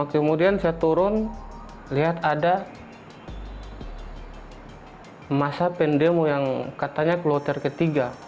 tidak lama kemudian saya turun lihat ada masa pendemo yang katanya keluar terketiga